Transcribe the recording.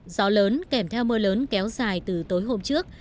gió lớn kèm theo mưa lớn kéo dài từ tối hôm trước